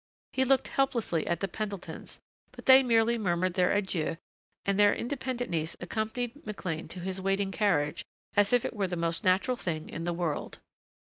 He looked helplessly at the Pendletons, but they merely murmured their adieux and their independent niece accompanied McLean to his waiting carriage as if it were the most natural thing in the world.